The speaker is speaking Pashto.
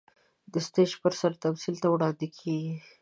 د سټېج پر سر تمثيل ته وړاندې کېږي.